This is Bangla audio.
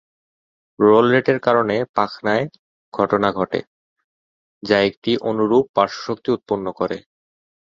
রোল রেটের কারণে পাখনায় ঘটনা ঘটে, যা একটি অনুরূপ পার্শ্ব শক্তি উৎপন্ন করে।